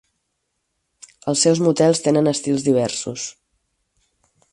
Els seus motels tenen estils diversos.